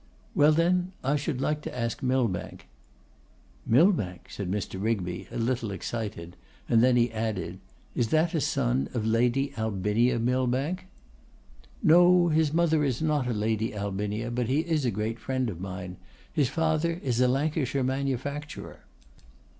'Well, then, I should like to ask Millbank.' 'Millbank!' said Mr. Rigby, a little excited, and then he added, 'Is that a son of Lady Albinia Millbank?' 'No; his mother is not a Lady Albinia, but he is a great friend of mine. His father is a Lancashire manufacturer.